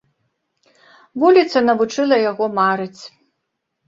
Вуліца навучыла яго марыць.